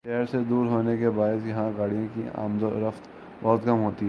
شہر سے دور ہونے کے باعث یہاں گاڑیوں کی آمدورفت بہت کم ہوتی ہے ۔